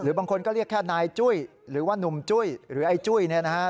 บางคนก็เรียกแค่นายจุ้ยหรือว่านุ่มจุ้ยหรือไอ้จุ้ยเนี่ยนะฮะ